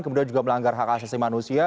kemudian juga melanggar hak asasi manusia